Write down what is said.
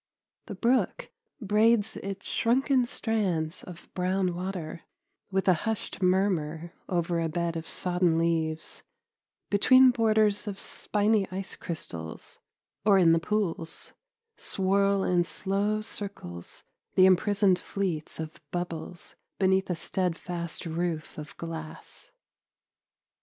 The brook braids its shrunken strands of brown water with a hushed murmur over a bed of sodden leaves between borders of spiny ice crystals, or in the pools swirl in slow circles the imprisoned fleets of bubbles beneath a steadfast roof of glass.